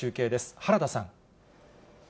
原田さん。